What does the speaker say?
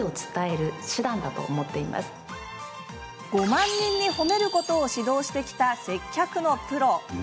５万人に褒めることを指導してきた、接客のプロ。